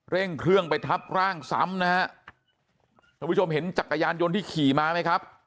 เร่งเครื่องไปทับร่างซ้ำนะฮะท่านผู้ชมเห็นจักรยานยนต์ที่ขี่มาไหมครับ